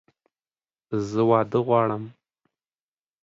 زه واده غواړم!